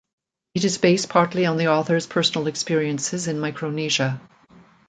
It is based partly on the author's personal experiences in Micronesia.